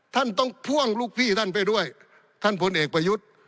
ท่านต้องพ่วงลูกพี่ท่านไปด้วยท่านพลเอกประยุทธ์